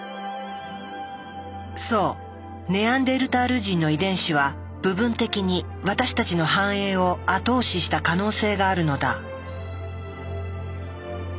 そうネアンデルタール人の遺伝子は部分的に私たちの繁栄を後押しした可能性があるのだ。